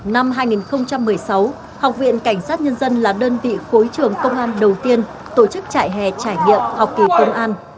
năm hai nghìn một mươi sáu học viện cảnh sát nhân dân là đơn vị khối trưởng công an đầu tiên tổ chức trại hè trải nghiệm học kỳ công an